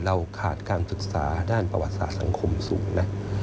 เราขาดการศึกษาด้านประวัติศาสตร์สังคมสูงนะ